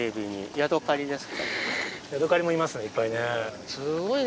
ヤドカリもいますねいっぱいね。